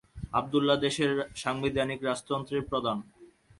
আবদুল্লাহ দেশের সাংবিধানিক রাজতন্ত্রের প্রধান।